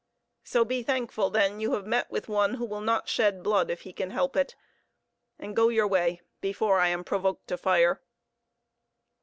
So be thankful, then, you have met with one who will not shed blood if he can help it, and go your way before I am provoked to fire."